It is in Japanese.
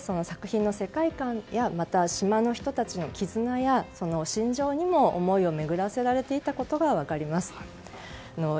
愛子さまが映画を通じて作品の世界観や島の人たちの絆や心情にも思いを巡らせられていたことが分かります。